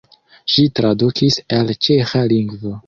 Ŝi tradukis el ĉeĥa lingvo.